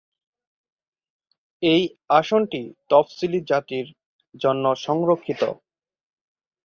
এই আসনটি তফসিলি জাতির জন্য সংরক্ষিত।